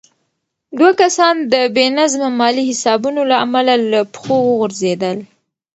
دوه کسان د بې نظمه مالي حسابونو له امله له پښو وغورځېدل.